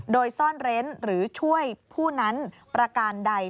โดยซ่อนเร้นหรือช่วยผู้นั้นประการใด